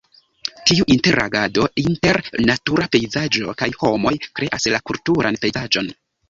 Tiu interagado inter natura pejzaĝo kaj homoj kreas la kulturan pejzaĝon.